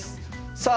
さあ